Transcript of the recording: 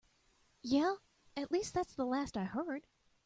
Yeah, at least that's the last I heard.